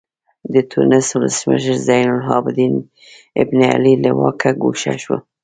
د ټونس ولسمشر زین العابدین بن علي له واکه ګوښه شو.